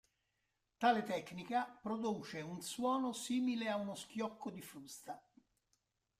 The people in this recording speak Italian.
Tale tecnica produce un suono simile a uno schiocco di frusta.